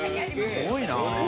◆すごいなぁ。